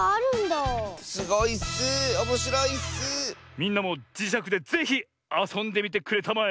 みんなもじしゃくでぜひあそんでみてくれたまえ。